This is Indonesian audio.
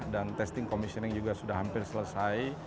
dan testing commissioning juga sudah hampir selesai